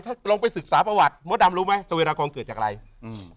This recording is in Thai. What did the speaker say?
ถ้าลองไปศึกษาประวัติมดดำรู้ไหมสเวดากรเกิดจากอะไรอืม